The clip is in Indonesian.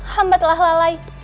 hamba telah lalai